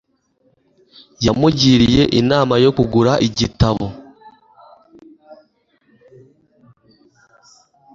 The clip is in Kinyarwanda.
Yamugiriye inama yo kugura igitabo.